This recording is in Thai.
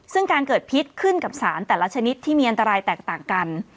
ซึ่งการเกิดพิษขึ้นกับสารแต่ละชนิดที่มีอันตรายแตกต่างกัน